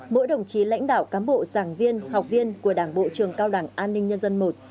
mỗi đồng chí lãnh đạo cán bộ giảng viên học viên của đảng bộ trường cao đảng an ninh nhân dân i